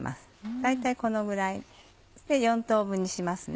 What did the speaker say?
大体このぐらい４等分にしますね。